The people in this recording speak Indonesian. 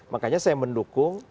makanya saya mendukung